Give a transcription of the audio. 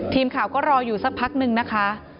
ทีมข่าวก็รออยู่สักพักนึงนะคะ